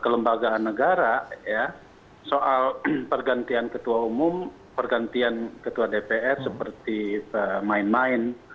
kelembagaan negara ya soal pergantian ketua umum pergantian ketua dpr seperti main main